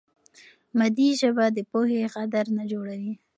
مادي ژبه د پوهې غدر نه جوړوي.